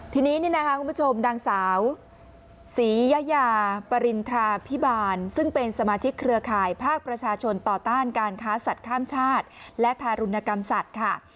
ทีนี้นี่นะคะคุณผู้ชมนางสาวศรียายาปริณฑราพิบาลซึ่งเป็นสมาชิกเครือข่ายภาคประชาชนต่อต้านการค้าสัตว์ข้ามชาติและทารุณกรรมสัตว์ค่ะ